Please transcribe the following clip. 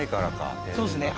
そうですね。